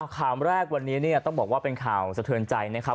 ข่าวแรกวันนี้เนี่ยต้องบอกว่าเป็นข่าวสะเทือนใจนะครับ